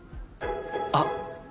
あっ！